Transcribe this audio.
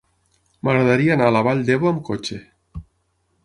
M'agradaria anar a la Vall d'Ebo amb cotxe.